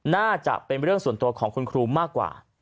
น่าจะเป็นเรื่องส่วนตัวของคุณครูมากกว่า